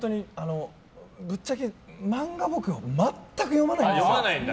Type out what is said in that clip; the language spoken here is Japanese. ぶっちゃけ漫画、僕全く読まないんです。